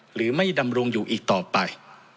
หรือไม่ดำรงอยู่อีกต่อไป